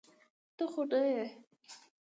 ته خوني يې.